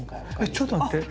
えちょっと待って。